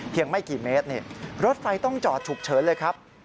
ไม่กี่เมตรรถไฟต้องจอดฉุกเฉินเลยครับ